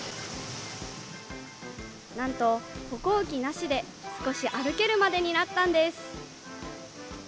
なんと、歩行器なしで少し歩けるまでになったんです。